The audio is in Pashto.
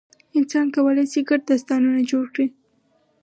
انسان کولی شي ګډ داستانونه جوړ کړي.